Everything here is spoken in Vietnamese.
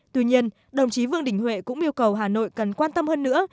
tuy nhiên đồng chí vương đình huệ cũng yêu cầu hà nội cần quan tâm hơn nữa